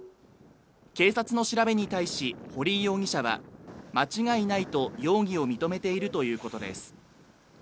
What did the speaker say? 警察の調べに対し堀井容疑者は間違いないと容疑を認めているということです